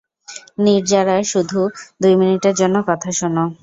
নির্জারা, শুধু দুই মিনিটের জন্য কথা শোন।